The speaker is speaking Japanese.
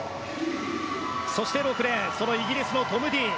そして６レーンイギリスのトム・ディーン。